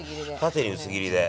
縦に薄切りで。